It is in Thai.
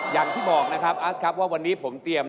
อย่างที่บอกนะครับอัสครับว่าวันนี้ผมเตรียม